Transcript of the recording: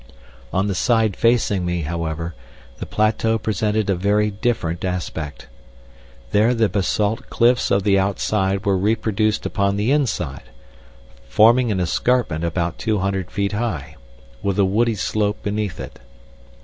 On the side facing me, however, the plateau presented a very different aspect. There the basalt cliffs of the outside were reproduced upon the inside, forming an escarpment about two hundred feet high, with a woody slope beneath it.